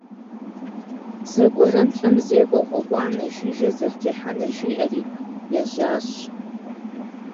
Зэгуэрым лӀым зекӀуэ гъуэгуанэ жыжьэ зэрытехьэнур жиӀэри, ежьащ.